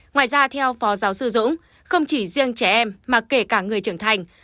ngoài ra theo phó giáo sư dũng không chỉ riêng trẻ em mà kể cả người trưởng thành